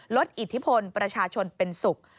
อิทธิพลประชาชนเป็นสุข